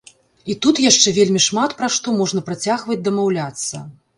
І тут яшчэ вельмі шмат пра што можна працягваць дамаўляцца.